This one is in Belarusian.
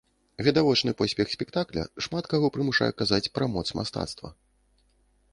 Відавочны поспех спектакля шмат каго прымушае казаць пра моц мастацтва.